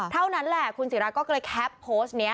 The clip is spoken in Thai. เท่านั้นแหละคุณศิราก็เลยแคปโพสต์นี้